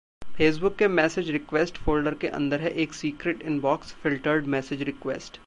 Facebook के message request folder के अंदर है एक secret inbox Filtered Message Request